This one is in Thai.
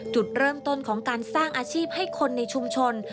จุดเริ่มต้นของการสร้างอาชีพให้คนในชุมชน